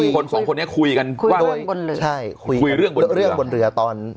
คนสองคนเนี้ยคุยกันคุยเรื่องบนเรือใช่คุยเรื่องบนเรือเรื่องบนเรือตอน